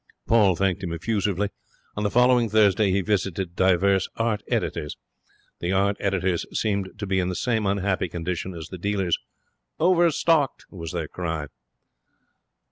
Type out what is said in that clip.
Paul thanked him effusively. On the following Thursday he visited divers art editors. The art editors seemed to be in the same unhappy condition as the dealers. 'Overstocked!' was their cry.